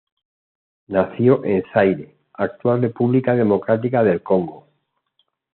Nació en Zaire, actual República Democrática del Congo.